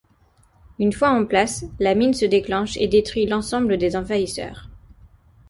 Une fois en place, la mine se déclenche et détruit l'ensemble des envahisseurs.